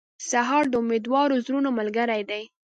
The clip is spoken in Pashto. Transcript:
سهار د امیدوارو زړونو ملګری دی.